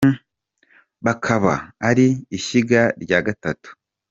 Bakaba ari ishyiga rya gatatu !